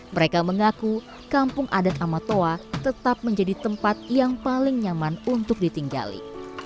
mereka mengaku kampung adat amatoa tetap menjadi tempat yang paling nyaman untuk ditinggali